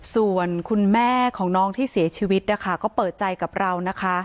ส่วนคุณแม่ของน้องที่เสียชีวิตนะคะก็เปิดใจกับเรานะคะ